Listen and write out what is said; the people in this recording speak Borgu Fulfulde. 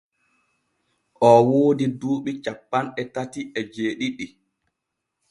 Oo woodi duuɓi cappanɗe tati e jeeɗiɗi.